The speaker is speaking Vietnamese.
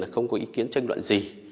không có ý kiến chân đoạn gì